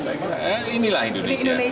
saya kira inilah indonesia